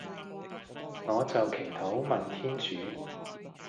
我就祈禱問天主